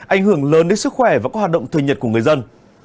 ảnh hưởng lớn đến sức khỏe và hoạt động thời nhật của người dân